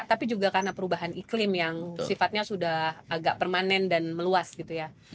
tapi juga karena perubahan iklim yang sifatnya sudah agak permanen dan meluas gitu ya